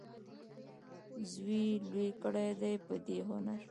زوی یې لوی کړی دی په دې هنر.